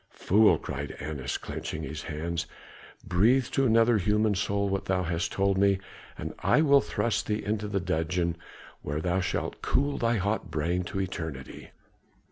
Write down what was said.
"Fool!" cried Annas, clenching his hands. "Breathe to another human soul what thou hast told me and I will thrust thee into a dungeon where thou shalt cool thy hot brain to eternity.